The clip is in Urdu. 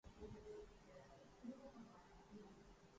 اکثر جھیلوں کا پانی منجمد ہوتا ہے